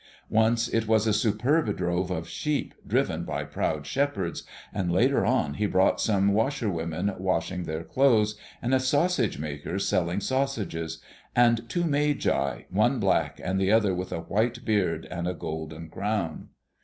Once it was a superb drove of sheep driven by proud shepherds, and later on he brought some washerwomen washing their clothes, and a sausage maker selling sausages, and two Magi, one black and the other with a white beard and a golden crown.